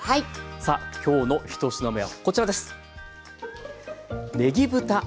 さあ今日の１品目はこちらです。